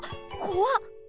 こわっ！